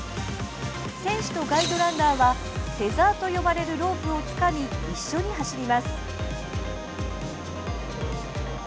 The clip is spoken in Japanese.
選手とガイドランナーはテザーと呼ばれるロープをつかみ一緒に走ります。